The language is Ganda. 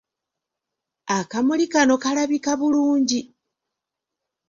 Akamuli kano kalabika bulungi!